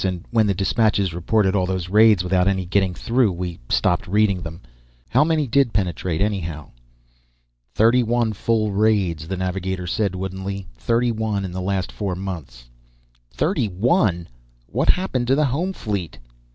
And when the dispatches reported all those raids without any getting through, we stopped reading them. How many did penetrate, anyhow?" "Thirty one full raids," the navigator said woodenly. "Thirty one in the last four months!" "Thirty one! What happened to the home fleet?"